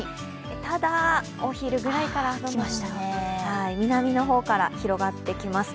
ただ、お昼ぐらいから雨雲、南の方から広がってきます。